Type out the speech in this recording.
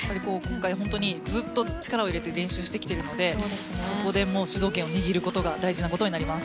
本当にずっと力を入れて練習してきているのでそこで主導権を握ることが大事なことになります。